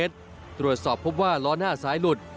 ตรวจสอบพบว่าล้อหน้าซ้ายหลุด